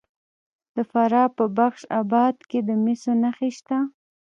د فراه په بخش اباد کې د مسو نښې شته.